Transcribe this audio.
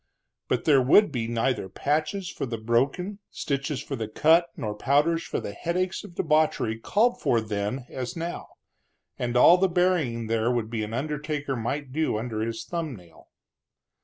But there would be neither patches for the broken, stitches for the cut nor powders for the headaches of debauchery called for then as now; and all the burying there would be an undertaker might do under his thumb nail.